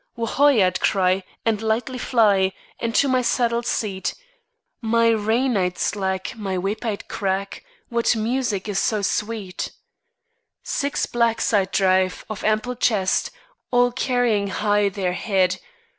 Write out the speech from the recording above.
Wo hoy! I'd cry, And lightly fly Into my saddle seat; My rein I'd slack, My whip I'd crack What music is so sweet? Six blacks I'd drive, of ample chest, All carrying high their head.